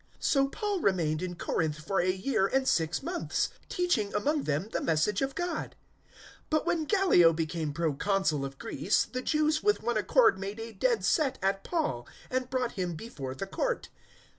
018:011 So Paul remained in Corinth for a year and six months, teaching among them the Message of God. 018:012 But when Gallio became Proconsul of Greece, the Jews with one accord made a dead set at Paul, and brought him before the court.